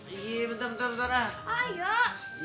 iya bentar bentar bentar ah